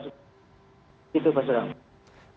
itu pak isram